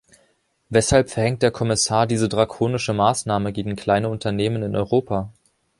Weshalb verhängt der Kommissar diese drakonische Maßnahme gegen kleine Unternehmen in Europa?